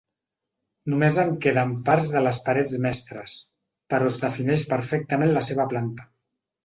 Només en queden parts de les parets mestres, però es defineix perfectament la seva planta.